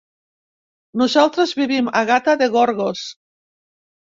Nosaltres vivim a Gata de Gorgos.